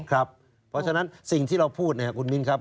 เพราะฉะนั้นสิ่งที่เราพูดเนี่ยคุณมิ้นครับ